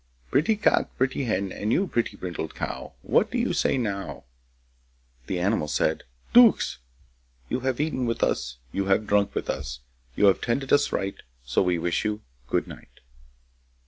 Pretty cock, Pretty hen, And you, pretty brindled cow, What do you say now? The animals said, 'Duks: You have eaten with us, You have drunk with us, You have tended us right, So we wish you good night.